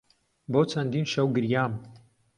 بۆ چەندین شەو گریام.